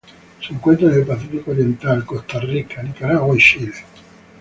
Se encuentra en el Pacífico oriental: Costa Rica, Nicaragua, y Chile.